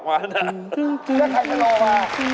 ใครจะโรวะ